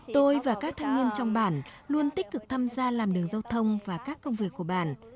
tôi và các thanh niên trong bản luôn tích cực tham gia làm đường giao thông và các công việc của bản